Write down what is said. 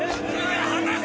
離せ！